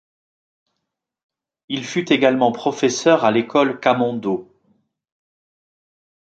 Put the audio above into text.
Il fut également professeur à l’école Camondo.